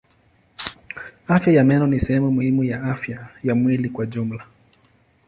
Afya ya meno ni sehemu muhimu ya afya ya mwili kwa jumla.